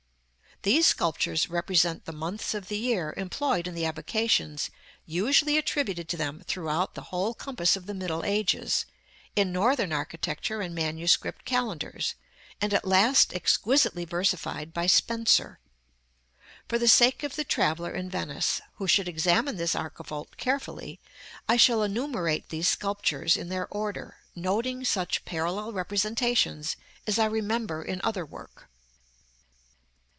These sculptures represent the months of the year employed in the avocations usually attributed to them throughout the whole compass of the middle ages, in Northern architecture and manuscript calendars, and at last exquisitely versified by Spenser. For the sake of the traveller in Venice, who should examine this archivolt carefully, I shall enumerate these sculptures in their order, noting such parallel representations as I remember in other work.